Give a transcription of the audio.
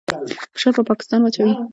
فشار پر پاکستان واچوي.